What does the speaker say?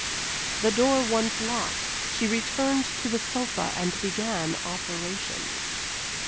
The door once locked, she returned to the sofa and began operations.